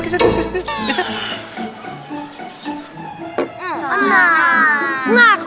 nah kalau di sini kan tempatnya enak